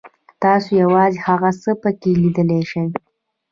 تاسو یوازې هغه څه پکې لیدلی شئ.